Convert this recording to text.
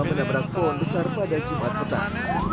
menabrak pohon besar pada jumat petang